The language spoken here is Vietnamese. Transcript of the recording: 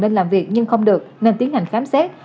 nên làm việc nhưng không được nên tiến hành khám xét